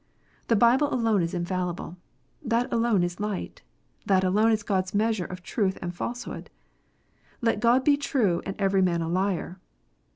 The Bible alone is infallible. That alone is light. That alone is God s measure of truth and falsehood. " Let God be true, and every man a liar."